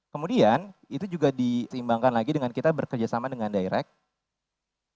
kemudian itu juga diseimbangkan lagi dengan kita bekerjasama dengan direct